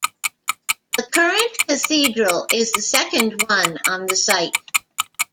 The current cathedral is the second one on the site.